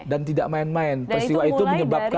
dan tidak main main peristiwa itu menyebabkan